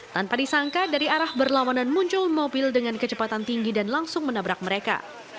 tanpa disangka dari arah berlawanan muncul mobil dengan kecepatan tinggi dan langsung menabrak mereka